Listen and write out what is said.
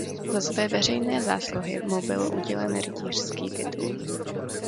Za své veřejné zásluhy mu byl udělen rytířský titul.